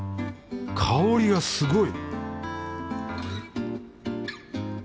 香りがすごい！